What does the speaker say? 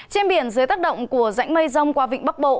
trên biển dưới tác động của rãnh mây rông qua vịnh bắc bộ